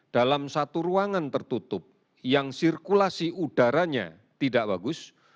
dalam satu ruangan tertutup yang sirkulasi udaranya tidak bagus